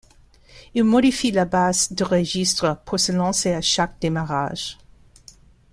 Il modifie la base de registre pour se lancer à chaque démarrage.